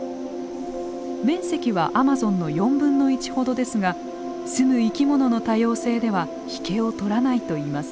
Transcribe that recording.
面積はアマゾンの４分の１ほどですが住む生き物の多様性では引けを取らないといいます。